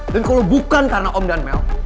dan kalau bukan karena om dan mel